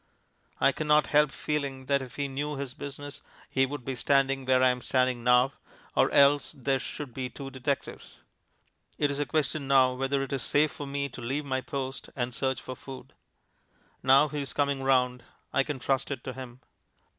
I cannot help feeling that if he knew his business he would be standing where I am standing now; or else there should be two detectives. It is a question now whether it is safe for me to leave my post and search for food... Now he is coming round; I can trust it to him.